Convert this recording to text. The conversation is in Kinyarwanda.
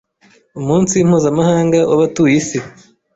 umunsi mpuzamahanga w’abatuye isi